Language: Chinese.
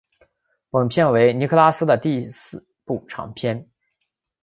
本片为尼可拉斯的第四部长片。